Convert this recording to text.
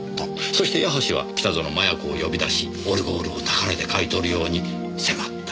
そして矢橋は北薗摩耶子を呼び出しオルゴールを高値で買い取るように迫った。